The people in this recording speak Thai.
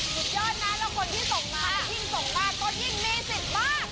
สุดยอดนะแล้วคนที่ส่งมายิ่งส่งบ้านก็ยิ่งมีสิทธิ์มาก